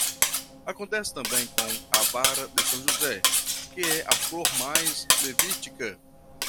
Acontece também com a vara de São José, que é a flor mais levítica.